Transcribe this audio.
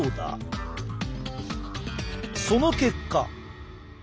その結果。